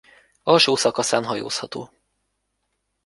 Alsó szakaszán hajózható.